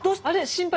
心配。